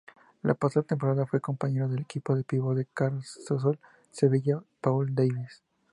La pasada temporada fue compañero de equipo del pívot del Cajasol Sevilla, Paul Davis.